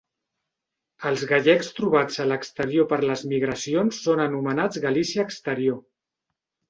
Els gallecs trobats a l'exterior per les migracions són anomenats Galícia exterior.